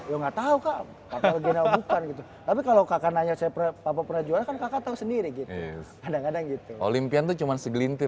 enggak tau kamu kenal tapi kalau kakak tanya semua kita tahu sendiri penghargaan lah mau memerintah